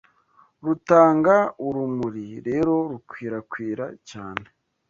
rutanga urumuri Rero rukwirakwira cyane